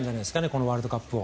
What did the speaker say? このワールドカップを。